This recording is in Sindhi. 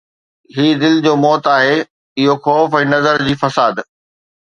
هي دل جو موت آهي، اهو خوف ۽ نظر جي فساد